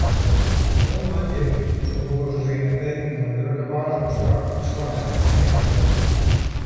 No moandei soe wolris yn it teken fan in grutte waarsomslach stean kinne.